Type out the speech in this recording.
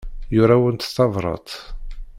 Yura-awent tabrat.